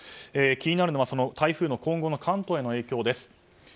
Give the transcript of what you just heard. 気になるのは台風の今後の関東への影響です。